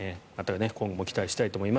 今後も期待したいと思います。